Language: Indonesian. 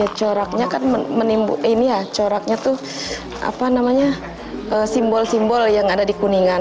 ya coraknya kan menimbulkan coraknya tuh apa namanya simbol simbol yang ada di kuningan